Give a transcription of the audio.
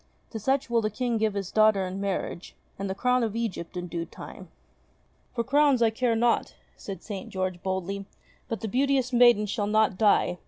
To such will the King give his daughter in marriage, and the crown of Egypt in due time." "For crowns I care not," said St. George boldly, "but the beauteous maiden shall not die.